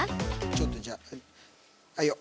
ちょっとじゃあはいよ。